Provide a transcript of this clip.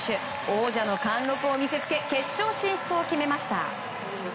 王者の貫禄を見せつけ決勝進出を決めました。